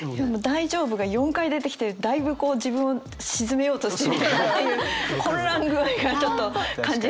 「大丈夫」が４回出てきてだいぶこう自分を静めようとしてっていう混乱具合がちょっと感じられて。